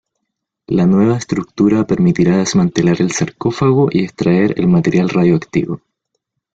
La nueva estructura permitirá desmantelar el sarcófago y extraer el material radiactivo.